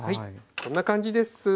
こんな感じです。